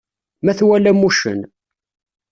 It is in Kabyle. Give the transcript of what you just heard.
Ma twalam uccen.